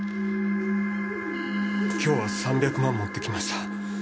今日は３００万持ってきました。